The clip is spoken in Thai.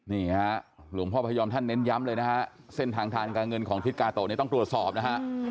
นี่ฮะหลวงพ่อพยอมท่านเน้นย้ำเลยนะฮะเส้นทางทางการเงินของทิศกาโตะเนี่ยต้องตรวจสอบนะฮะ